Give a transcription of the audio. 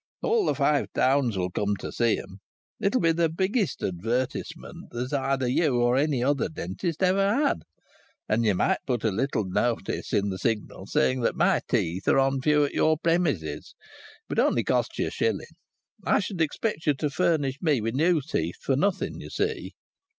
All the Five Towns'll come to see 'em. It'll be the biggest advertisement that either you or any other dentist ever had. And you might put a little notice in the Signal saying that my teeth are on view at your premises; it would only cost ye a shilling.... I should expect ye to furnish me with new teeth for nothing, ye see."